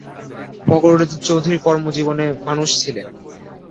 ফখরুদ্দিন চৌধুরী কর্মজীবী মানুষ ছিলেন।